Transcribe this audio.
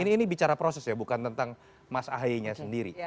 ini bicara proses ya bukan tentang mas ahaye nya sendiri